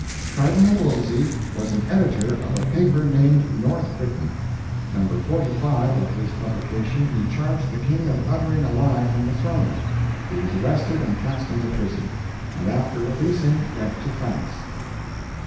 "Cardinal Wolsey was an Editor of a paper named North Briton. No. 45 of his publication he charged the King of uttering a lie from the throne. He was arrested and cast into prison; and after releasing went to France.